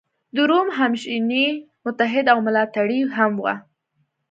د روم همېشنی متحد او ملاتړی هم و.